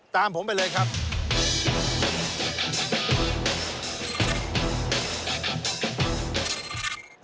ตามผมไปเลยครับ